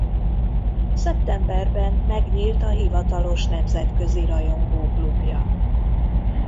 Szeptemberben megnyílt a hivatalos nemzetközi rajongó klubja.